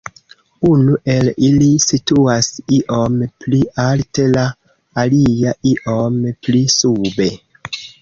Unu el ili situas iom pli alte, la alia iom pli sube.